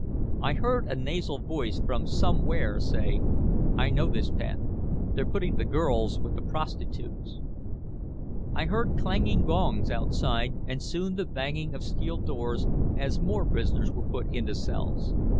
I heard a nasal voice from somewhere say: "I know this pen. They're putting the girls with the prostitutes." I heard clanging gongs outside and soon the banging of steel doors as more prisoners were put into cells.